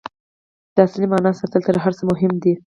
د اصلي معنا ساتل تر هر څه مهم دي.